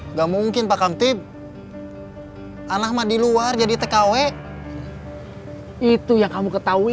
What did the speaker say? nggak mungkin pak kantip anak mah diluar jadi tkw itu yang kamu ketahui